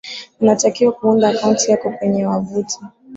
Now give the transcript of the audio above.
unatakiwa kuunda akaunti yako kwenye wavuti